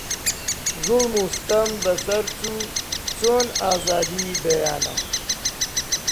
زوڵم و ستەم بە سەر چۆ چوون ئازادی بەیانە